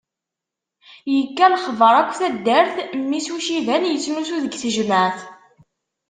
Yekka lexbar akk taddart, mmi-s n uciban yettnusun deg tejmeɛt.